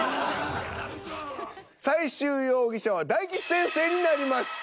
最終容疑者は大吉先生になりました。